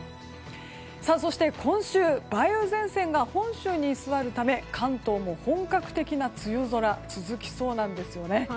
そして今週、梅雨前線が本州に居座るため関東も本格的な梅雨空が続きそうなんですよね。